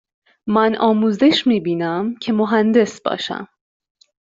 من آموزش می بینم که مهندس باشم.